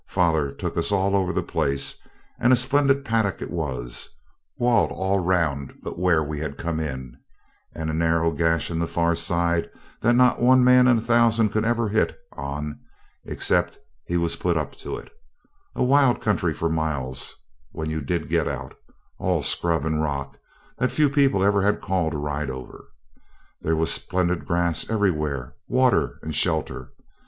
Father took us all over the place, and a splendid paddock it was walled all round but where we had come in, and a narrow gash in the far side that not one man in a thousand could ever hit on, except he was put up to it; a wild country for miles when you did get out all scrub and rock, that few people ever had call to ride over. There was splendid grass everywhere, water, and shelter.